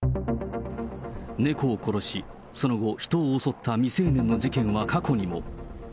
猫を殺し、その後、人を襲った未成年の事件は過去にも。